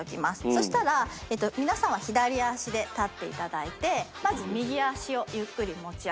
そしたら皆さんは左足で立っていただいてまず右足をゆっくり持ち上げます。